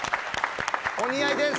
お似合いです。